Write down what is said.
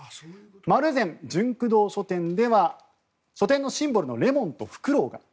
丸善ジュンク堂書店では書店のシンボルのレモンとフクロウが。